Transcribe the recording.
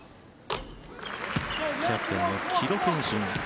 キャプテンの城戸賢心。